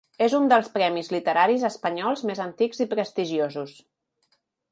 És un dels premis literaris espanyols més antics i prestigiosos.